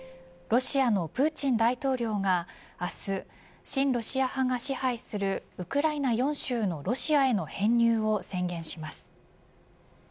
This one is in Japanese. ロシアのプーチン大統領が明日、親ロシア派が支配するウクライナ４州のロシアへの編入を宣言します。